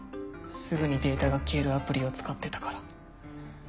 すぐにデータが消えるアプリを使ってたから。